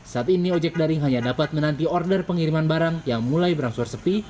saat ini ojek daring hanya dapat menanti order pengiriman barang yang mulai berangsur sepi